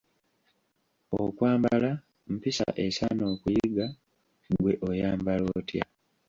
Okwambala mpisa esaana okuyiga: ggwe oyambala otya?